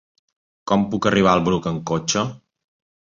Com puc arribar al Bruc amb cotxe?